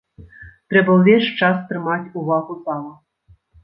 Трэба ўвесь час трымаць увагу зала.